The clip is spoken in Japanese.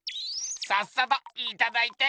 さっさといただいて帰るか！